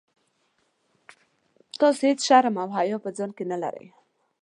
تاسي هیڅ شرم او حیا په ځان کي نه لرئ.